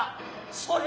それ。